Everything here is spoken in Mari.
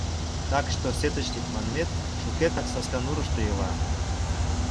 Так что сетычник манмет шукертак Сасканурышто ила.